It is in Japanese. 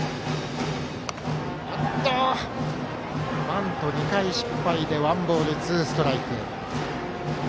バント２回失敗でワンボールツーストライク。